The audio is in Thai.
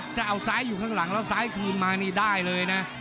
ถ้าเอาซ้ายอยู่ข้างหลังแล้วซ้ายคืนมานี่ได้เลยนะ